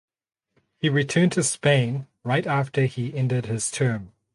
He returned to Spain right after he ended his term.